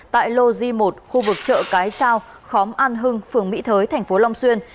tại lô di một khu vực chợ cái sao khóm an hưng phường mỹ thới tp hcm